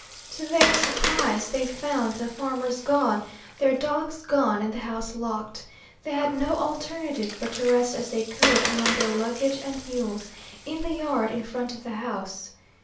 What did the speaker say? To their surprise, they found the farmers gone, their dogs gone, and the house locked. They had no alternative but to rest as they could, among their luggage and mules, in the yard in front of the house.